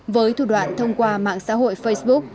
với thủ đoạn thông qua mạng xã hội facebook